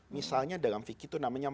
misalnya dalam fikir itu namanya